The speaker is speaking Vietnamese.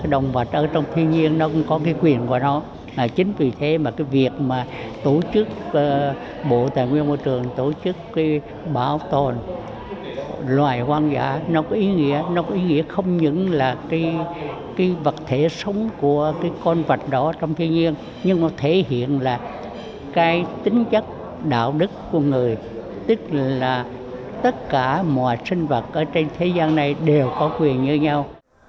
động vật ở trong thiên nhiên nó cũng có cái quyền của nó chính vì thế mà cái việc mà tổ chức bộ tài nguyên môi trường tổ chức cái bảo tồn loài hoang dã nó có ý nghĩa nó có ý nghĩa không những là cái vật thể sống của cái con vật đó trong thiên nhiên nhưng nó thể hiện là cái tính chất đạo đức của người tức là tất cả mọi sinh vật ở trên thế gian này đều có quyền như nhau